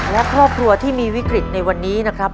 และครอบครัวที่มีวิกฤตในวันนี้นะครับ